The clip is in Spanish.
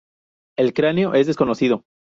El cráneo es desconocido.